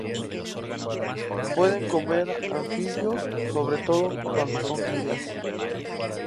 Pueden comer anfibios, sobre todo cuando son crías.